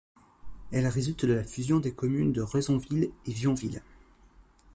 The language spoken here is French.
Elle résulte de la fusion des communes de Rezonville et Vionville.